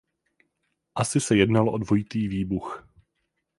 Asi se jednalo o dvojitý výbuch.